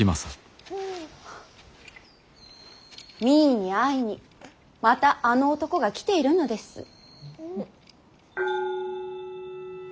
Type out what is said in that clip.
実衣に会いにまたあの男が来ているのです。